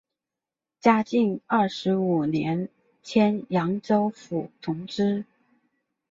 嘉靖二十五年迁扬州府同知。